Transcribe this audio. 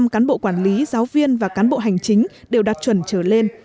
một trăm linh cán bộ quản lý giáo viên và cán bộ hành chính đều đạt chuẩn trở lên